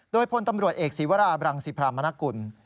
โดยพลตำรวจเอกศีวราบรังสิพรามนกุล